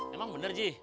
emang bener ji